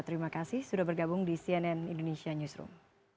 terima kasih sudah bergabung di cnn indonesia newsroom